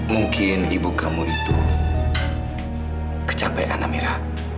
mungkin ibu kamu itu kecampean amira